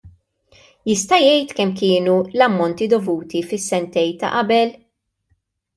Jista' jgħid kemm kienu l-ammonti dovuti fis-sentejn ta' qabel?